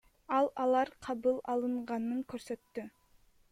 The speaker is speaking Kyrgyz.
Ал алар кабыл алынганын көрсөттү.